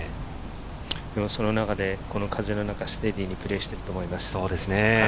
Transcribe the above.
その中で風の中、ステディーにプレーしていると思います。